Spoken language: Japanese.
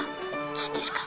何ですか？